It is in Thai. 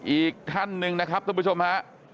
อีกท่านหนึ่งนะครับท่านผู้ชมฮะ